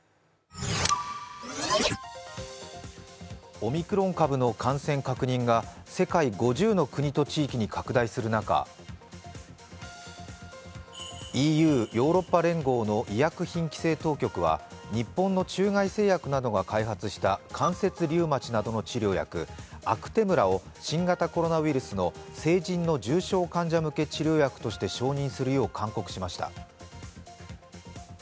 オミクロン株の感染拡大が世界５０の国と地域に拡大する中、ＥＵ＝ヨーロッパ連合の医薬品規制当局は日本の中外製薬などが開発した関節リウマチなどの治療薬、アクテムラを新型コロナウイルスの成人の重症患者向け治療薬として承認するよう勧告しました。